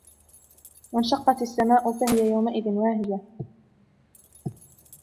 وَانشَقَّتِ السَّمَاء فَهِيَ يَوْمَئِذٍ وَاهِيَةٌ